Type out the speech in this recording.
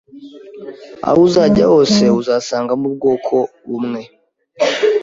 Aho uzajya hose, uzasangamo ubwoko bumwe.